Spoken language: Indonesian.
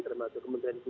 termasuk kementerian kupr